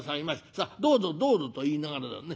さあどうぞどうぞ』と言いながらだね